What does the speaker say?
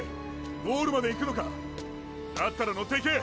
ゴールまでいくのか⁉だったら乗っていけ！